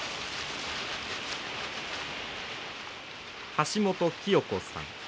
橋本きよ子さん。